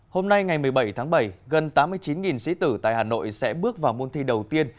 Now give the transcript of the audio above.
hôm nay ngày một mươi bảy tháng bảy gần tám mươi chín sĩ tử tại hà nội sẽ bước vào môn thi đầu tiên